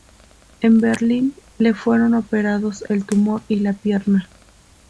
En Berlín, le fueron operados el tumor y la pierna.